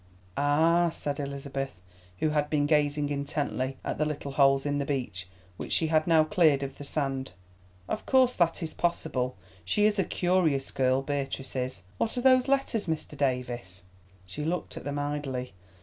"Ah!" said Elizabeth, who had been gazing intently at the little holes in the beach which she had now cleared of the sand. "Of course that is possible. She is a curious girl, Beatrice is. What are those letters, Mr. Davies?" He looked at them idly.